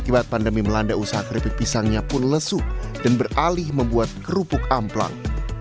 akibat pandemi melanda usaha keripik pisangnya pun lesu dan beralih membuat kerupuk amplang